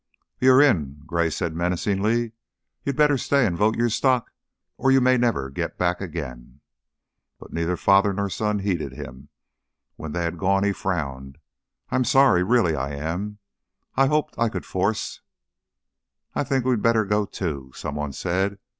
"You're in," Gray said, menacingly; "you'd better stay and vote your stock or you may never get back again." But neither father nor son heeded him. When they had gone he frowned. "I'm sorry. Really I am. I hoped I could force " "I think we'd better go, too," some one said.